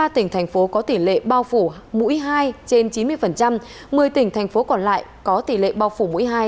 ba tỉnh thành phố có tỷ lệ bao phủ mũi hai trên chín mươi một mươi tỉnh thành phố còn lại có tỷ lệ bao phủ mũi hai